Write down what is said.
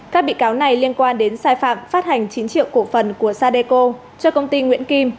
các bị cáo này liên quan đến sai phạm phát hành chín triệu cổ phần của sadeco cho công ty nguyễn kim